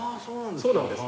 そうなんです。